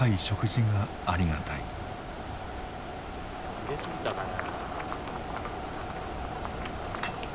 入れすぎたかな。